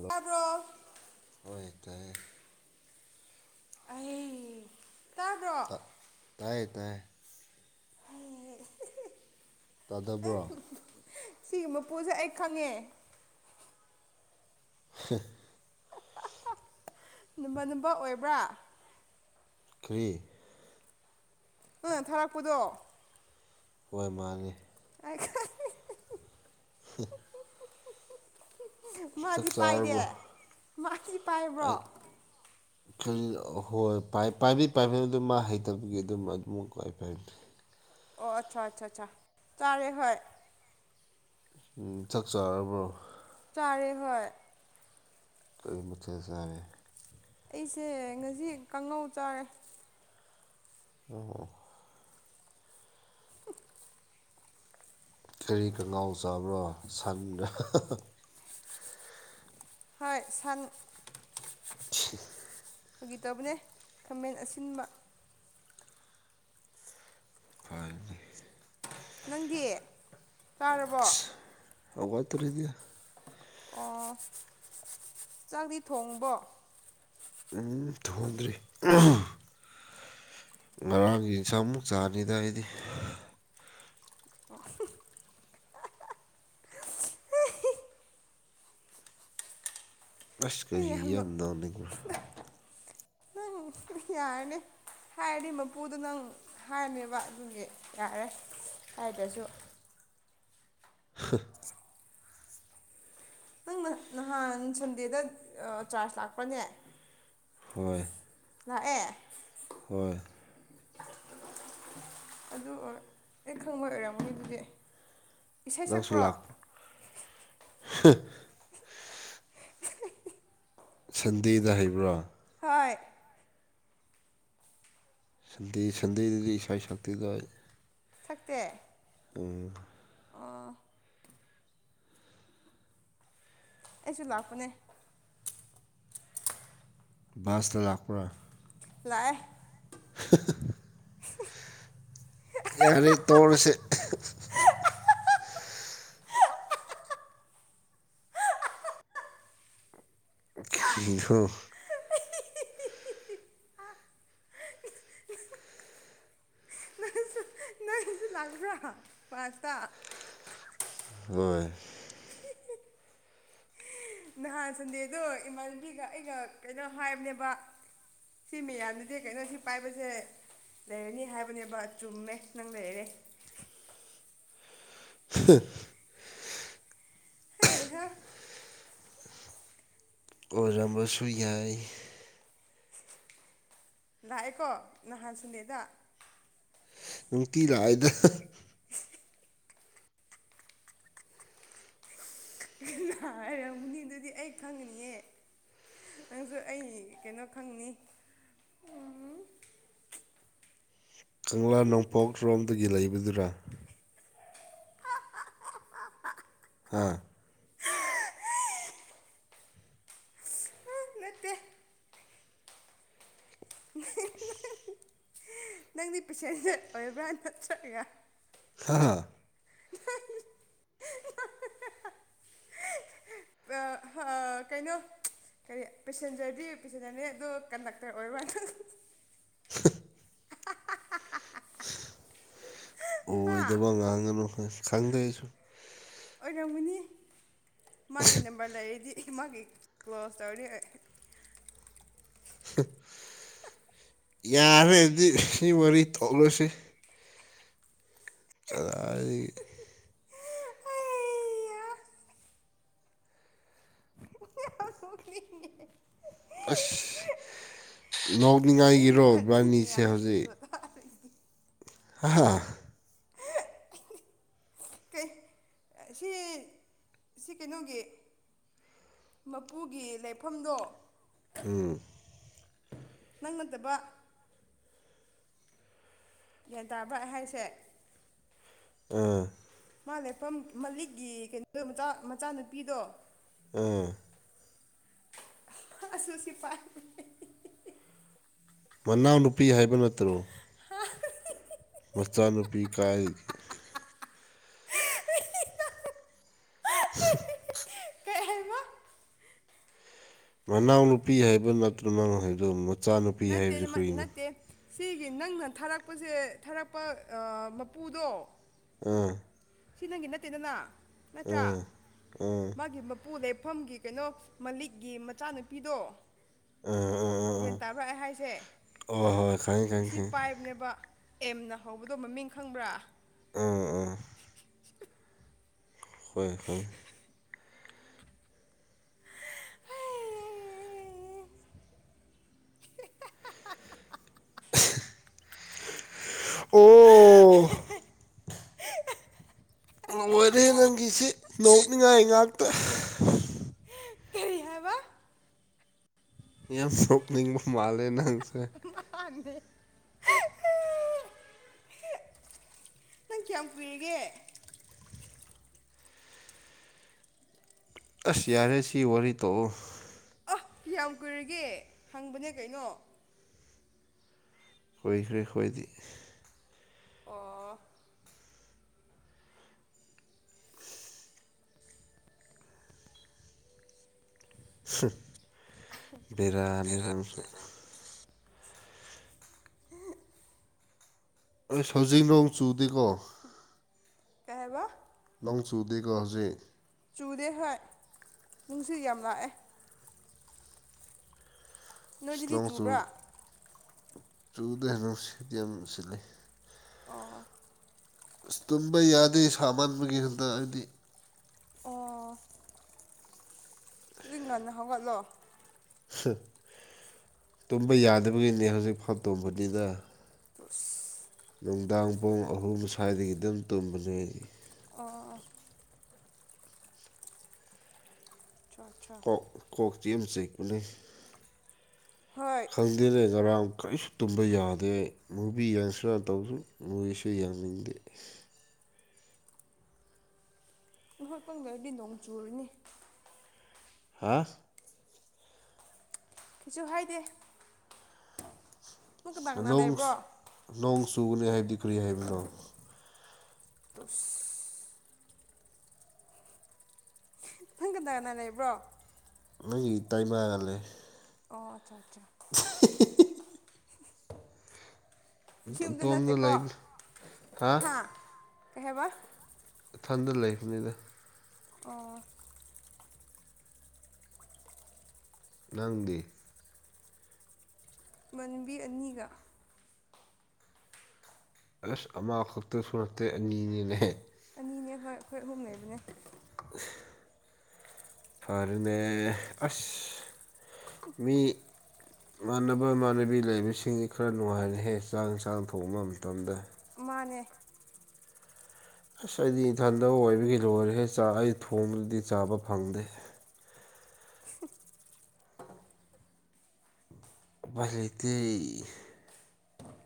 ꯂ ꯇꯥꯕ꯭ꯔꯣ ꯍ ꯇꯦ ꯑꯩ ꯇꯥꯕ꯭ꯔꯣ ꯇꯥꯏꯌꯦ ꯇꯥꯏꯌꯦ ꯑꯩ ꯇꯥꯗꯕ꯭ꯔꯣ ꯁꯤꯒꯤ ꯃꯄꯨꯁꯦ ꯑꯩ ꯈꯪꯉꯦ [unintelligible] ꯅꯨꯝꯕ ꯅꯨꯕ ꯑꯣꯏꯕ꯭ꯔꯥ ꯀ꯭ꯔꯤ ꯅꯣꯏ ꯊꯥꯔꯛꯄꯗꯣ ꯍꯣꯏ ꯃꯥꯜꯂꯤ ꯑꯩ ꯈꯪ ꯍ ꯃꯥꯗꯤ ꯄꯥꯏꯔꯦ ꯆꯥꯔꯕ꯭ꯔꯣ ꯃꯥꯗꯤꯤ ꯄꯥꯏꯕ꯭ꯔꯣ ꯑꯩ ꯍꯣꯏ ꯄꯥꯏꯕꯤ ꯄꯥꯏꯕꯤ ꯑꯗꯨꯝ ꯃꯥ ꯍꯩꯇꯕꯒꯤ ꯑꯗꯨꯝ ꯑꯗꯨꯃꯛ ꯀꯏꯐꯅꯤ ꯑꯣ ꯑꯠꯆꯥ ꯑꯠꯆꯥ ꯑꯠꯆꯥ ꯆꯥꯔꯦ ꯍꯣꯏ ꯆꯛ ꯆꯥꯔꯕꯣ ꯆꯥꯔꯦ ꯍꯣꯏ ꯀꯔꯤ ꯃꯊꯠ ꯆꯥꯔꯤꯦ ꯑꯩꯁꯦ ꯉꯁꯤ ꯀꯥꯡꯉꯧ ꯆꯥꯔꯦ ꯑꯣ [unintelligible] ꯀꯔꯤ ꯀꯒꯥꯎ ꯆꯥꯕ꯭ꯔꯣ ꯁꯟ ꯍꯣꯏ ꯁꯟ [unintelligible] ꯐꯒꯤ ꯇꯧꯕꯅꯦ ꯈꯥꯃꯦꯟ ꯑꯁꯤꯟꯕ ꯐꯔꯅꯦ ꯅꯪꯗꯤ ꯇꯥꯔꯕꯣ ꯍꯧꯒꯠꯇꯥꯔꯤꯗꯤ ꯑꯣ ꯆꯥꯛꯗꯤ ꯊꯣꯡꯕꯣ ꯎꯝ ꯊꯣꯡꯗ꯭ꯔꯤ ꯉꯔꯥꯡꯒꯤ ꯏꯟꯁꯥꯡ ꯑꯃꯨꯛ ꯆꯥꯅꯤꯗ ꯑꯩꯗꯤ ꯑꯣ ꯍꯨꯡ ꯑꯁ ꯑꯩ ꯀꯩꯒꯤ ꯌꯥꯝ ꯅꯣꯛ ꯅꯣꯛꯅꯤꯡꯕ꯭ꯔ ꯅꯪ ꯌꯥꯔꯅꯤ ꯍꯥꯏꯔꯗꯤ ꯃꯄꯨꯗꯣ ꯅꯪ ꯍꯥꯏꯔꯅꯦꯕ ꯑꯗꯨꯒꯤ ꯌꯥꯔꯦ ꯍꯥꯏꯗꯥꯁꯨ ꯍꯥ ꯅꯪ ꯅꯍꯥꯟ ꯁꯟꯗꯦꯗꯥ ꯑꯥ ꯆꯥꯔꯖ ꯂꯥꯛꯄꯔꯥꯅꯦ ꯍꯣꯏ ꯂꯥꯛꯑꯦ ꯍꯣꯏ ꯑꯗꯨ ꯑꯩ ꯈꯪꯕ ꯑꯣꯏꯔꯝꯅꯤ ꯑꯗꯨꯗꯤ ꯏꯁꯩ ꯅꯪꯁꯨ ꯁꯛꯄ꯭ꯔꯣ ꯂꯥꯛ [unintelligible] ꯍꯥ ꯁꯟꯗꯦꯗꯥ ꯍꯩꯕ꯭ꯔꯣ ꯍꯣꯏ ꯁꯟꯗꯦ ꯁꯟꯙꯤꯗꯥꯗꯤ ꯏꯁꯩ ꯁꯛꯇꯤꯗꯥ ꯁꯛꯇꯦ ꯎꯝ ꯑꯣ ꯑꯩꯁꯨ ꯂꯥꯛꯄꯅꯦ ꯕꯁꯇꯥ ꯂꯥꯛꯄ꯭ꯔꯥ ꯂꯥꯛꯑꯦ [unintelligible] [unintelligible] ꯌꯥꯔꯦ ꯇꯣꯍꯧꯔꯁꯦ [unintelligible] ꯂꯥꯛꯄꯔꯥ ꯕꯁꯇꯥ ꯍꯣꯏ ꯅꯍꯥꯟ ꯁꯟꯗꯦꯗꯣ ꯏꯃꯥꯟꯅꯕꯤꯒ ꯑꯩꯒ ꯀꯩꯅꯣ ꯍꯥꯏꯕꯅꯦꯕ ꯁꯤ ꯃꯌꯥꯝꯅꯗꯤ ꯀꯩꯅꯣ ꯁꯤ ꯄꯥꯏꯕꯁꯦ ꯂꯩꯔꯅꯤ ꯍꯥꯏꯕꯅꯦꯕ ꯆꯨꯝꯃꯦ ꯅꯪ ꯂꯩꯔꯦ [unintelligible] ꯍꯩꯍꯥ ꯑꯣꯏꯔꯝꯕꯁꯨ ꯌꯥꯏ ꯂꯥꯛꯑꯦꯀꯣ ꯅꯍꯥꯟ ꯁꯟꯗꯦꯗꯥ ꯅꯨꯡꯇꯤ ꯂꯥꯛꯏꯗꯥ ꯅꯥ ꯍꯥꯏꯔꯝꯒꯅꯤ ꯑꯗꯨꯗꯤ ꯑꯩ ꯈꯪꯒꯅꯤꯌꯦ ꯅꯪꯁꯨ ꯑꯩ ꯀꯩꯅꯣ ꯈꯪꯅꯤ ꯀꯪꯂꯥ ꯅꯣꯡꯄꯣꯛ ꯔꯣꯝꯗꯥꯒꯤ ꯂꯩꯕꯗꯨꯔꯥ ꯍꯥꯥ ꯅꯠꯇꯦ [inaudible] ꯅꯪꯗꯤ ꯄꯦꯁꯦꯟꯁꯦꯠ ꯑꯣꯏꯕ꯭ꯔꯥ ꯅꯠꯇ꯭ꯔꯒ [unintelligible] ꯍꯥ [unintelligible] [unintelligible] ꯀꯩꯅꯣ ꯀꯔꯤ ꯄꯦꯁꯦꯟꯖꯔꯗꯤ ꯄꯦꯁꯦꯟꯖꯔꯅꯦ ꯑꯗꯨꯗꯣ ꯀꯟꯗꯛꯇꯔ ꯑꯣꯏꯔ [unintelligible] [inaudible] ꯑꯣꯏꯗꯕ ꯉꯥꯡꯒꯅꯨ ꯈꯪꯗꯦ ꯑꯩꯁꯨ ꯑꯣꯏꯔꯝꯒꯨꯅꯤ ꯃꯥꯒꯤ ꯅꯝꯕꯔ ꯂꯩꯔꯗꯤ ꯃꯥꯒꯤ ꯀ꯭ꯂꯣꯁ ꯇꯧꯔꯥꯅꯤ ꯑꯩ ꯌꯥꯔꯦꯗꯤ ꯁꯤ ꯋꯥꯔꯤ ꯊꯣꯛꯂꯁꯤ ꯀꯗꯥꯏꯗꯒꯤ [unintelligible] ꯑꯁ ꯅꯣꯛꯅꯤꯡꯉꯥꯏꯒꯤꯔꯣ ꯃꯤ ꯏꯕꯥꯅꯤꯁꯦ [unintelligible] ꯍꯥ ꯍꯥ ꯀꯩ ꯁꯤ ꯁꯤ ꯀꯩꯅꯣꯒꯤ ꯃꯄꯨꯒꯤ ꯂꯩꯐꯝꯗꯣ ꯎꯝ ꯅꯪꯅꯠꯇꯕ ꯭ꯌꯥꯟ ꯇꯥꯕ ꯍꯥꯏꯁꯦ ꯎꯝ ꯃꯥ ꯂꯩꯐꯝ ꯃꯂꯤꯛꯀꯤ ꯀꯩꯅꯣꯗꯣ ꯃꯆꯥ ꯃꯆꯥꯅꯨꯄꯤꯗꯣ ꯎꯝ ꯍꯥꯁꯨ ꯎꯁꯤ ꯄꯥꯏ ꯃꯅꯥꯎꯅꯨꯄꯤ ꯍꯥꯏꯕ ꯅꯠꯇ꯭ꯔꯣ [unintelligible] ꯃꯆꯥꯅꯨꯄꯤ ꯀꯥꯏꯗꯒꯤ [unintelligible] ꯀꯩ ꯍꯥꯏꯕꯥ ꯃꯅꯥꯎꯅꯨꯄꯤ ꯍꯥꯏꯕ ꯅꯠꯇ꯭ꯔ ꯅꯪ ꯍꯥꯏꯗꯣ ꯃꯆꯥꯅꯨꯄꯤ ꯅꯠꯇꯦ ꯍꯥꯏꯕꯁꯤ ꯀꯔꯤꯅꯣ ꯅꯠꯇꯦ ꯁꯤꯒꯤ ꯅꯪꯅ ꯊꯥꯔꯛꯄꯁꯦ ꯊꯥꯔꯛꯄ ꯃꯄꯨꯗꯣ ꯑꯥ ꯁꯤ ꯅꯪꯒꯤ ꯅꯠꯇꯦꯗꯅ ꯅꯠꯇ꯭ꯔꯥ ꯑꯥ ꯑꯥ ꯃꯥꯒꯤ ꯃꯄꯨ ꯂꯩꯐꯝꯒꯤ ꯀꯩꯅꯣ ꯃꯂꯤꯛꯀꯤ ꯃꯆꯥꯅꯨꯄꯤꯗꯣ ꯑꯥ ꯑꯥ ꯑꯥ ꯑꯥ ꯒ꯭ꯌꯥꯟ ꯇꯥꯕꯔꯑꯩ ꯍꯥꯏꯁꯦ ꯑꯣ ꯍꯣꯏ ꯈꯪꯉꯦ ꯈꯪꯉꯦ ꯑꯁꯤ ꯈꯪꯉꯦ ꯄꯥꯏꯕꯅꯦꯕ꯫ ꯑꯦꯝꯅ ꯍꯧꯕꯗꯣ ꯃꯃꯤꯡ ꯈꯪꯕ꯭ꯔꯥ ꯎꯝ ꯎꯝ [unintelligible] ꯍꯣꯏ ꯍꯣꯏ [unintelligible] ꯑꯣ [unintelligible] ꯂꯣꯏꯔꯦꯍ‌ꯦ ꯅꯪꯒꯤꯁꯤ ꯅꯣꯛꯅꯤꯡꯉꯥꯏ ꯉꯥꯛꯇ ꯀꯔꯤ ꯍꯥꯏꯕ ꯌꯥꯝ ꯅꯣꯛꯅꯤꯡꯕ ꯃꯥꯜꯂꯦ ꯅꯪꯁꯦ ꯃꯥꯒꯤꯅꯦ ꯅꯪ ꯀꯌꯥꯝ ꯀꯨꯏꯔꯤꯒꯦ ꯑꯁ ꯌꯥꯔꯦ ꯁꯤ ꯋꯥꯔꯤꯔꯤ ꯇꯣꯛꯑꯣ ꯀꯤꯌꯥꯝ ꯀꯨꯏꯔꯒꯦ ꯍꯪꯕꯅꯦ ꯀꯩꯅꯣ ꯑꯣꯏꯈ꯭ꯔꯦ ꯍꯣꯏꯗꯤ ꯑꯣ ꯕꯦꯔꯥꯅꯦ ꯅꯪꯁꯨ ꯑꯩ ꯍꯧꯖꯤꯛ ꯅꯣꯡ ꯆꯨꯗꯦꯀꯣ ꯀꯩ ꯍꯥꯏꯕꯥ ꯅꯣꯡ ꯆꯨꯗꯦꯀꯣ ꯍꯧꯖꯤꯛ ꯆꯨꯗꯦ ꯍꯣꯏ ꯅꯨꯡꯁꯤꯠ ꯌꯥꯝ ꯂꯥꯛꯑꯦ ꯅꯣꯏ ꯑꯁ ꯗꯗꯤ ꯅꯣꯡ ꯆꯨ ꯆꯨꯕ꯭ꯔꯥ ꯆꯨꯗꯦ ꯅꯨꯡꯁꯤꯠꯇꯤ ꯌꯥꯝ ꯁꯤꯠꯂꯦ ꯑ‌ꯣ ꯑꯁ ꯇꯨꯝꯕ ꯌꯥꯗꯦ ꯁꯥꯃꯟꯕꯒꯤ ꯍꯟꯇꯛ ꯑꯣ ꯑꯗꯨꯨꯗꯤ ꯉꯟꯅ ꯍꯧꯒꯠꯂꯣ ꯇꯨꯝꯕ ꯌꯥꯗꯕꯒꯤꯅꯦ ꯍꯧꯖꯤꯛꯐꯥꯎ ꯇꯨꯝꯕꯅꯤꯅ ꯑꯁ ꯅꯨꯡꯗꯥꯡ ꯄꯨꯡ ꯑꯍꯨꯝ ꯁ꯭ꯋꯥꯏꯗꯒꯤ ꯑꯗꯨꯝ ꯇꯨꯝꯕꯅꯦ ꯑꯩ ꯑꯣꯑ‌ꯣꯑ‌ꯣ [unintelligible] ꯀꯣꯛꯇꯤ ꯌꯥꯝ ꯆꯤꯛꯄꯅꯦ ꯫ ꯍꯣꯏ ꯈꯪꯗꯦꯅꯦ ꯉꯔꯥꯡ ꯀꯔꯤꯁꯨ ꯇꯨꯝꯕ ꯌꯥꯗꯦ ꯃꯨꯚꯤ ꯌꯦꯡꯁꯤꯔꯥ ꯇꯧꯕꯁꯨ ꯃꯨꯏꯁꯨ ꯌ‌ꯦꯡꯅꯤꯡꯗꯦ ꯅꯍꯣꯏ ꯀꯟ ꯒꯥꯔꯗꯤ ꯅꯣꯡ ꯆꯨꯔꯤꯅꯤ ꯍꯥꯥ ꯀꯩꯁꯨ ꯍꯥꯏꯗꯦ ꯅꯪ ꯀꯅꯥ ꯀꯅꯥ ꯅ‌ꯣꯡꯁ ꯂꯩꯕ꯭ꯔꯣ ꯅꯣꯡ ꯆꯨꯒꯅꯤ ꯍꯥꯏꯕꯗꯤ ꯀꯔꯤ ꯍꯥꯏꯕꯅꯣ ꯑꯁ ꯅꯪ ꯀꯅꯥ ꯀꯅꯥ ꯂꯩꯕ꯭ꯔꯣ ꯅꯪꯒꯤ ꯏꯇꯩꯃꯥꯒꯥ ꯂꯩ ꯑꯣ ꯑꯠꯆꯥ ꯑꯠꯆꯥ ꯌꯨꯝꯗ ꯏꯇꯣꯝꯗ ꯅꯠꯇꯦꯀꯣ ꯂꯩꯕ ꯍꯥ ꯀꯩ ꯍꯥꯏꯕ ꯏꯊꯟꯗ ꯂꯩꯕꯅꯤꯗ ꯑꯣ ꯅꯪꯗꯤ ꯃꯥꯟꯅꯕꯤ ꯑꯅꯤꯒ ꯑꯁ ꯑꯃꯈꯛꯇꯁꯨ ꯅꯠꯇꯦ ꯑꯅꯤꯅꯤꯅ‌ꯦ ꯏꯅꯦ ꯍꯣꯏ ꯑꯩꯈꯣꯏ ꯑꯍꯨꯝ ꯂꯩꯕꯅꯦ [unintelligible] ꯐꯔ‌ꯦꯅꯦ ꯑꯁ ꯃꯤ ꯏꯃꯥꯟꯅꯕ ꯏꯃꯥꯟꯅꯕꯤ ꯂꯩꯕꯁꯤꯡꯁꯤ ꯈꯔ ꯅꯨꯡꯉꯥꯏꯔ‌ꯦꯍꯦ ꯆꯥꯛ ꯏꯟꯁꯥꯡ ꯊꯣꯡꯕ ꯃꯇꯝꯗ ꯃꯥꯅꯦ ꯑꯁ ꯑꯩꯗꯤ ꯏꯟꯊꯟꯗ ꯑꯣꯏꯕꯒꯤ ꯂꯣꯏꯔꯦ ꯑꯩ ꯊꯣꯡꯗꯨꯗꯤ ꯆꯥꯕ ꯐꯪꯗꯦ ꯃꯦꯇꯩ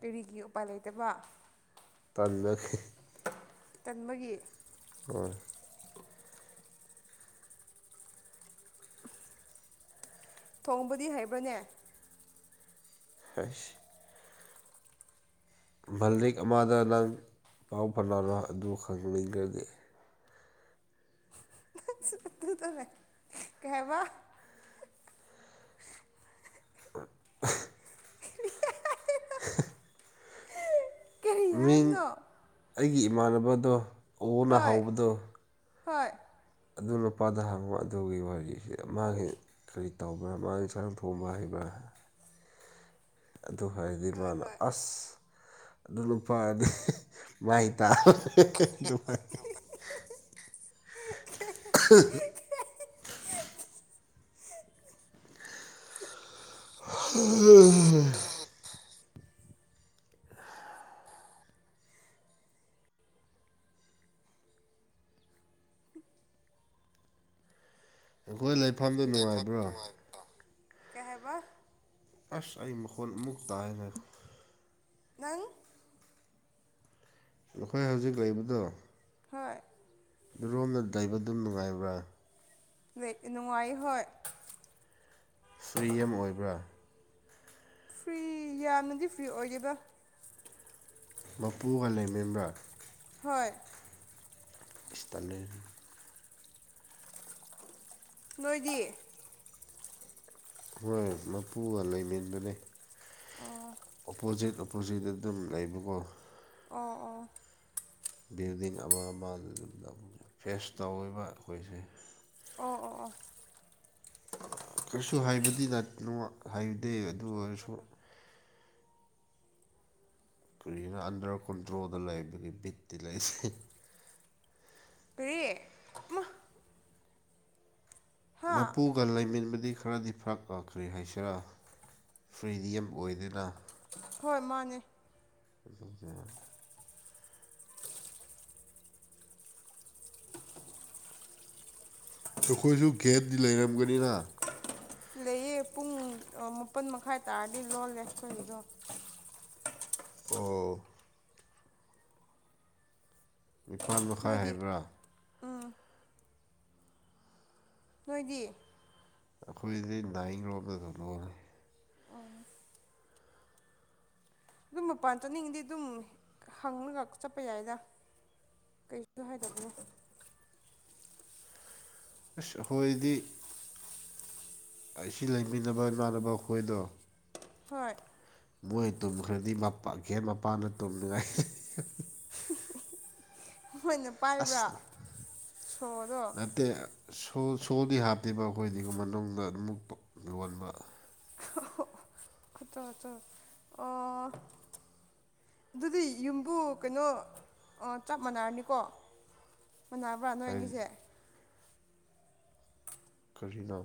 ꯄꯦꯔꯤꯒꯤ ꯎꯄꯥꯏ ꯂꯩꯇꯕ ꯇꯥꯟꯅꯈꯤ ꯇꯟꯕꯒꯤ [unintelligible] ꯊꯣꯡꯕꯗꯤ ꯍꯩꯕ꯭ꯔꯅꯦ ꯍ‌‌ꯩꯁ ꯃꯜꯂꯤꯛ ꯑꯃꯗ ꯅꯪ ꯄꯥꯎ ꯐꯥꯎꯅꯔꯣ ꯑꯗꯨ ꯈꯪꯅꯤꯡꯈ꯭ꯔꯗꯤ [unintelligible] ꯀ‌ꯩ ꯍꯥꯏꯕ ꯑ [unintelligible] ꯀꯔꯤ ꯃꯤꯡ ꯍꯥꯏꯕꯅꯣ ꯑꯩꯒꯤ ꯏꯃꯥꯟꯅꯕꯗꯣ ꯑꯣꯅ ꯍꯣꯏ ꯍꯥꯎꯕꯗꯣ ꯍꯣꯏ ꯑꯗꯨ ꯅꯨꯄꯥꯗ ꯍꯥꯡꯕ ꯑꯗꯨꯒꯤ ꯋꯥꯔꯤꯁꯤ ꯃꯥꯒꯤ ꯀꯔꯤ ꯇꯧꯕ꯭ꯔꯥ ꯃꯥꯅ ꯏꯟꯁꯥꯡ ꯊꯣꯡꯕ ꯍꯥꯏꯕ꯭ꯔꯥ ꯑꯗꯨ ꯍꯥꯏꯕꯗꯤ ꯍꯣꯏ ꯃꯥꯅ ꯍꯣꯏ ꯑꯁ ꯑꯗꯨ ꯂꯨꯄꯥꯗꯤ ꯃꯩ ꯇꯥ ꯑꯗꯨꯃꯥꯏ [inaudible] [inaudible] ꯎꯝ ꯑꯩꯈꯣꯏ ꯂꯩꯐꯝꯗꯨꯣ ꯅꯨꯡꯉꯥꯏꯕ꯭ꯔꯣ ꯀꯍꯦꯕ ꯑꯁ ꯑ ꯃꯈꯜ ꯃꯨꯕ ꯇꯥꯏꯅ ꯉꯪ ꯑꯩꯈꯣꯏ ꯍꯧꯖꯤꯛ ꯂꯩꯕꯗꯣ ꯍꯣꯏ ꯔꯣꯝꯅ ꯗꯏꯕꯗꯨꯝ ꯅꯨꯡꯉꯥꯏꯕ꯭ꯔꯥ ꯅꯨꯡꯉꯥꯏ ꯍꯣꯏ ꯐ꯭ꯔꯤ ꯑꯃ ꯑꯣꯏꯕ꯭ꯔꯥ ꯐ꯭ꯔꯤ ꯌꯥꯝꯅꯗꯤ ꯐ꯭ꯔꯤ ꯑꯣꯏꯒꯦꯕ ꯃꯄꯨꯒ ꯂꯩꯃꯦꯝꯕ꯭ꯔ ꯍꯣꯏ ꯏꯁꯇꯥꯟꯗꯔ ꯅꯣꯏꯗꯤ ꯍꯣꯏ ꯃꯄꯨꯒ ꯂꯣꯏꯃꯦꯟꯕꯅꯦ ꯑꯣ ꯑꯣꯄꯣꯖꯤꯠ ꯑꯣꯄꯣꯖꯤꯠꯇ ꯑꯗꯨꯝ ꯂꯩꯕꯀꯣ ꯑꯣ ꯑꯣ ꯕꯤꯜꯗꯤꯡ ꯑꯃ ꯑꯃꯗ ꯑꯗꯨꯝ ꯐꯦꯁ ꯇꯧꯕ ꯑꯩꯈꯣꯏꯁꯦ ꯑꯣ ꯑꯣ ꯀꯩꯁꯨ ꯍꯥꯏꯕꯗꯤ ꯅꯣ ꯍꯥꯏꯗꯦ ꯑꯗꯨ ꯑꯣ ꯑꯣꯏꯔꯁꯨ ꯀꯔꯤꯅ ꯑꯟꯗꯔꯐ ꯀꯟꯇ꯭ꯔꯣꯜꯗ ꯂꯩꯑꯕꯒꯤ ꯕꯤꯠ ꯇꯤ ꯂꯩꯁꯦ ꯇ꯭ꯂꯦ ꯍꯥ ꯃꯄꯨꯒ ꯂꯩꯃꯤꯟꯕꯗꯤ ꯈꯔꯗꯤ ꯐꯔꯛꯑꯈ꯭ꯔꯤ ꯍꯥꯏꯁꯤꯔꯛ ꯐ꯭ꯔꯤꯗꯤꯌꯝ ꯑꯣꯏꯗꯨꯅ ꯍꯣꯏ ꯃꯥꯅꯦ ꯁꯦ ꯑꯩꯈꯣꯏꯁꯨ ꯒꯦꯞꯇꯤ ꯂꯩꯔꯝꯒꯅꯤꯅ ꯂꯩꯌꯦ ꯄꯨꯡ ꯃꯥꯄꯜ ꯃꯈꯥꯏ ꯇꯥꯔꯗꯤ ꯂꯣꯜꯂꯦ ꯑꯩꯈꯣꯏꯒꯤꯗꯣ ꯑꯣ ꯅꯤꯄꯥꯟ ꯃꯈꯥꯏ ꯅꯣꯏꯗꯤ ꯍꯥꯏꯕ꯭ꯔꯥ ꯎꯝ ꯅꯣꯏꯗꯤ ꯑꯩꯈꯣꯏꯁꯦ ꯅꯥꯏꯤꯡ ꯔꯣꯝꯗꯁꯨ ꯂꯣꯜꯂꯦ ꯑꯗꯨꯝ ꯃꯄꯥꯟ ꯆꯠꯅꯤꯡꯉꯤꯗꯤ ꯑꯗꯨꯝ ꯍꯪꯉꯒ ꯆꯠꯄ ꯌꯥꯏꯗ ꯀꯩꯁꯨ ꯍꯥꯏꯗꯕꯅꯣ ꯑꯁ ꯍꯣꯏꯗꯤ ꯑꯩ ꯂꯩꯃꯤꯟꯅꯕ ꯏꯃꯥꯟꯅꯕ ꯑꯩꯈꯣꯏꯗꯣ ꯍꯣꯏ ꯃꯣꯏ ꯇꯨꯝꯈ꯭ꯔꯗꯤ ꯃꯒꯦꯟ ꯃꯄꯥꯟꯅ ꯇꯨꯝꯅꯤꯡꯉꯥꯏ ꯃꯣꯏꯅ ꯄꯥꯏꯕ꯭ꯔꯥ ꯑꯁ ꯁꯣꯗꯣ ꯁꯣ ꯁꯣꯜꯗꯤ ꯍꯥꯞꯇꯦꯕ ꯑꯩꯈꯣꯏꯗꯤ ꯃꯅꯨꯡꯗ ꯑꯗꯨꯝ ꯌꯣꯟꯕ ꯑꯠꯇꯣꯠꯇꯣ ꯑꯣ ꯑꯗꯨꯗꯤ ꯌꯨꯝꯕꯨ ꯀꯩꯅꯣ ꯆꯞ ꯃꯥꯟꯅꯔꯅꯤꯀꯣ ꯃꯅꯥꯕ꯭ꯔꯥ ꯅꯣꯏ ꯍꯥꯏꯕꯗꯤ ꯑꯅꯤꯁꯦ ꯀꯔꯤꯅꯣ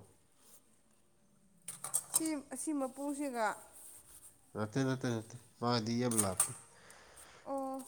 ꯁꯤ ꯑꯁꯤ ꯃꯄꯨꯁꯤꯒ ꯅꯅꯥꯠꯇ ꯅꯅꯥꯠꯇ ꯅꯅꯥꯠꯇ ꯃꯥ ꯂꯤꯑꯕ ꯂꯥꯞꯄꯦ ꯑꯣ